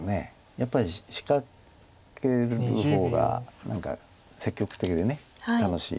やっぱり仕掛ける方が何か積極的で楽しい。